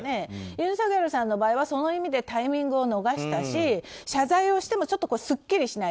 ユン・ソギョルさんの場合はその意味でタイミングを逃したし謝罪をしてもすっきりしない。